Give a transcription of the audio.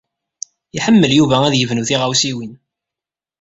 Iḥemmel Yuba ad yebnu tiɣawsiwin.